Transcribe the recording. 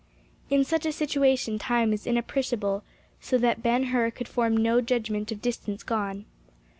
In such a situation time is inappreciable; so that Ben Hur could form no judgment of distance gone.